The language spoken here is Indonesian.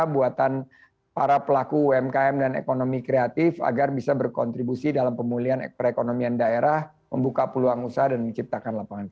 buatan para pelaku umkm dan ekonomi kreatif agar bisa berkontribusi dalam pemulihan perekonomian daerah membuka peluang usaha dan menciptakan lapangan kerja